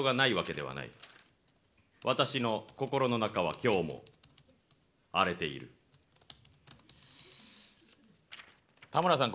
私の心の中は今日も荒れているたむらさん